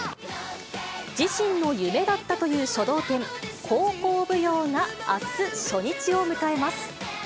自身の夢だったという書道展、煌々舞踊があす初日を迎えます。